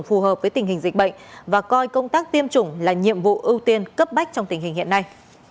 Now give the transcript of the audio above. phù hợp với tình hình dịch bệnh và coi công tác tiêm chủng là nhiệm vụ ưu tiên cấp bách trong tình hình hiện nay